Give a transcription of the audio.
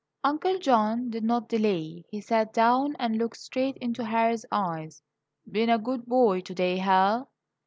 Uncle John did not delay; he sat down and looked straight into Harry's eyes. "Been a good boy today, Hal?"